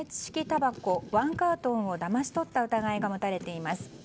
たばこ１カートンをだまし取った疑いが持たれています。